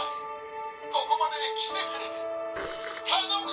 ここまで来てくれ頼む！